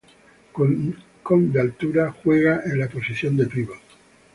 Con de altura, juega en la posición de pívot.